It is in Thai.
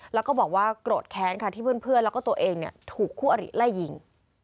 แล้วก็บอกว่าโกรธแค้นค่ะที่เพื่อนแล้วก็ตัวเองถูกคู่อริไล่ยิง